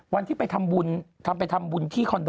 วันที่ไปทำบุญทำไปทำบุญที่คอนโด